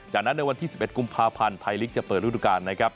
จากนั้นในวันที่๑๑กุมภาพันธ์ไทยลีกจะเปิดฤดูการนะครับ